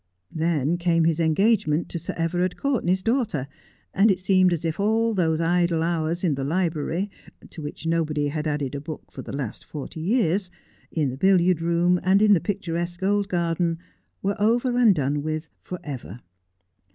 Then came his engagement to Sir Everard Courtenay's daughter, and it seemed as if all those idle hours in the library — to which nobody had added a book for the last forty years — in the billiard room, and in the picturesque old gardens, were over and done with for ever.